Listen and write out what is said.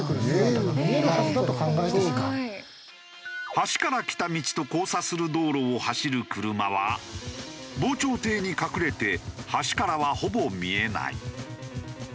橋から来た道と交差する道路を走る車は防潮堤に隠れて橋からはほぼ見えない。